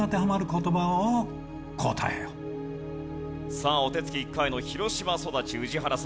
さあお手つき１回の広島育ち宇治原さん。